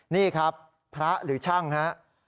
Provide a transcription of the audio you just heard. นี่ครับพระหรือชั่งฮะ